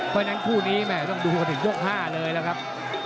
เพราะฉะนั้นคู่นี้แม่ต้องดูกันถึงยก๕เลยล่ะครับ